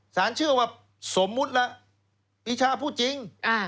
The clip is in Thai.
เชื่อว่าสมมุติละปีชาพูดจริง